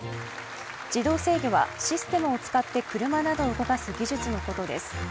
自動制御はシステムを使って車などを動かす技術のことです。